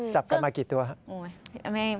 จับกันมากี่ตัวครับ